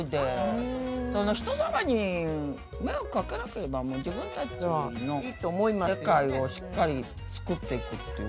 人様に迷惑かけなければもう自分たちの世界をしっかり作っていくっていう。